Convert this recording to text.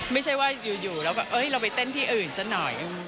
ไม่ใช่ว่าอยู่แล้วก็เราไปเต้นที่อื่นซะหน่อย